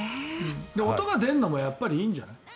音が出るのもやっぱりいいんじゃない？